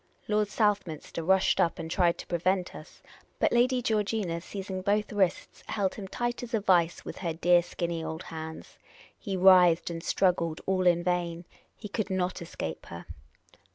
Lord Southminster rushed up and tried to prevent us. But Lady Georgina, seizing both wrists, held him tight as in a vice with her dear skinny old hands. He writhed and struggled all in vain : he could not escape her.